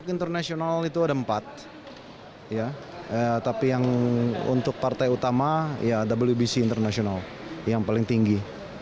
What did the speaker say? international itu ada empat tapi yang untuk partai utama wbc international yang paling tinggi